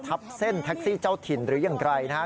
ทับเส้นแท็กซี่เจ้าถิ่นหรือยังไกลนะฮะ